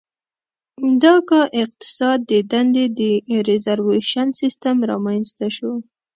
د کا اقتصاد کې د دندې د ریزروېشن سیستم رامنځته شو.